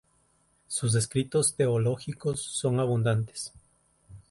Sus escritos teológicos son abundantes.